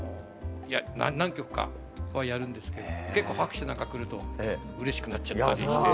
いや何曲かはやるんですけど結構拍手なんかくるとうれしくなっちゃったりして。